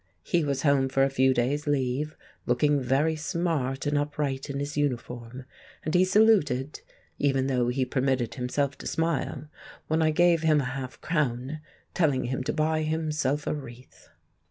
He was home for a few days' leave, looking very smart and upright in his uniform; and he saluted (even though he permitted himself to smile) when I gave him a half crown, telling him to buy himself a wreath.